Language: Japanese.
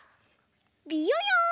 びよよん！